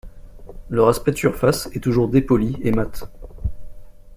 Leur aspect de surface est toujours dépoli et mat.